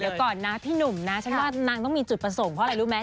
เดี๋ยวก่อนนะพี่หนุ่มนะฉันว่านางต้องมีจุดประสงค์เพราะอะไรรู้ไหม